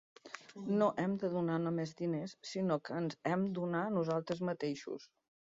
No hem de donar només diners, sinó que ens hem donar nosaltres mateixos.